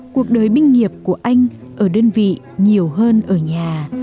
cuộc đời binh nghiệp của anh ở đơn vị nhiều hơn ở nhà